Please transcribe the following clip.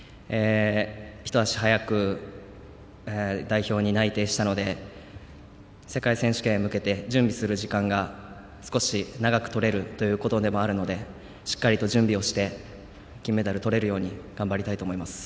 一足早く代表に内定したので世界選手権へ向けて準備する時間が少し長く取れるということでもあるのでしっかりと準備をして金メダルをとれるように頑張りたいと思います。